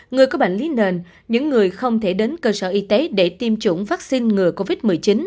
người có bệnh lý nền những người không thể đến cơ sở y tế để tiêm chủng vaccine ngừa covid một mươi chín